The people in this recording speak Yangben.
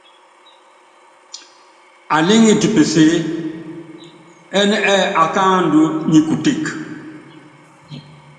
Alíŋiti pesée, ɛɛ́n ɛ́ɛ́ akáandú nyi kuteke.